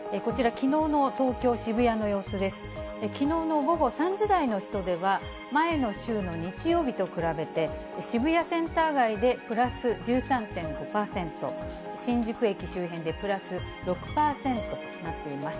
きのうの午後３時台の人出は、前の週の日曜日と比べて、渋谷センター街でプラス１３．５％、新宿駅周辺でプラス６％となっています。